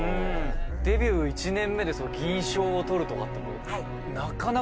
デビュー１年目で銀賞をとるとかってもうなかなかない。